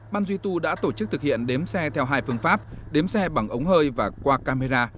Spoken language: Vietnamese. ban duy tu đã tổ chức thực hiện đếm xe theo hai phương pháp đếm xe bằng ống hơi và qua camera